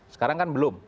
sekarang kan belum